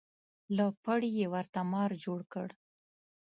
له پړي یې ورته مار جوړ کړ.